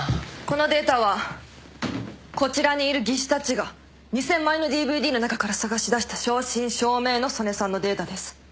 このデータはこちらにいる技師たちが２，０００枚のＤＶＤの中から探し出した正真正銘の曽根さんのデータです。